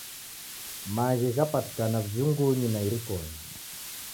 Magi ghapatikana vichungunyi na irikonyi.